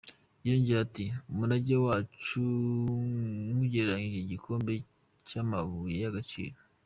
Yongeyeho ati: “Umurage wacu nkugereranya n’ibirombe by’amabuye y’agaciro.